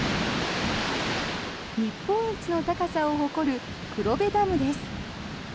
日本一の高さを誇る黒部ダムです。